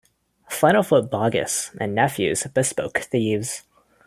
"Flannelfoot" Boggis and Nephews, Bespoke Thieves.